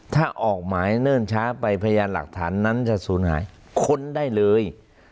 ถ้าออกหมายเนิ่นช้าไปพยานหลักฐานนั้นจะสูญหายค้นได้เลย